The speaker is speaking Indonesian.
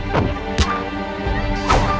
kayaknya id jurusan